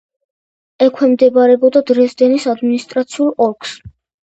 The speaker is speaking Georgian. ექვემდებარებოდა დრეზდენის ადმინისტრაციულ ოლქს.